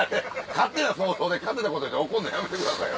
勝手な想像で勝手なこと言うて怒んのやめてくださいよ。